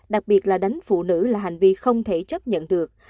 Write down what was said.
đặc biệt là đánh phụ nữ là hành vi không thể chấp nhận được